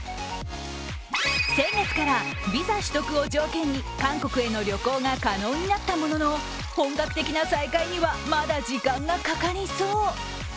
先月からビザ取得を条件に韓国への旅行が可能になったものの、本格的な再開には、まだ時間がかかりそう。